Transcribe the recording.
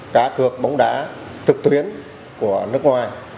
cá cược bóng đá trực tuyến của nước ngoài